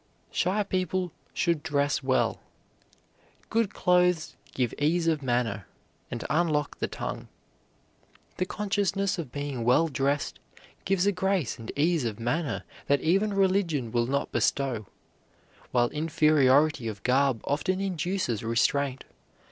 Shy people should dress well. Good clothes give ease of manner, and unlock the tongue. The consciousness of being well dressed gives a grace and ease of manner that even religion will not bestow, while inferiority of garb often induces restraint.